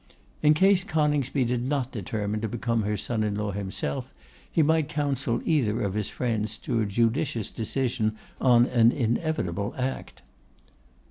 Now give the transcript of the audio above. In case Coningsby did not determine to become her son in law himself, he might counsel either of his friends to a judicious decision on an inevitable act.